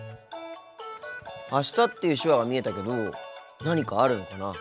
「あした」っていう手話が見えたけど何かあるのかな？